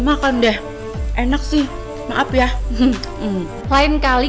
makan deh enak sih maaf ya ini lain kali